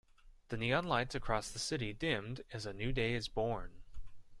The neon lights across the city dimmed as a new day is born.